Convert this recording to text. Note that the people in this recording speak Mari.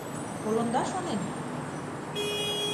Колында, шонем?